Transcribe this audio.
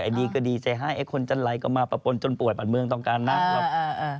ไอดีก็ดีไอ้คนจะไลกก็มาประปนจนปวดบันเมืองต้องการนัก